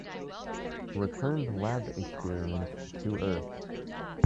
Returned lab experiments to earth.